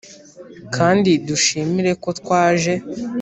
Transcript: kandi dushimire ko twaje.